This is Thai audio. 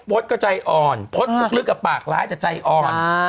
พลดก็ใจอ่อนพลดลึกกับปากร้ายแต่ใจอ่อน